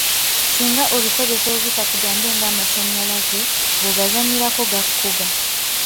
Singa obikozesa obubi katugambe ng'amasaanyalaze, bw'ogazanyirako gakukuba.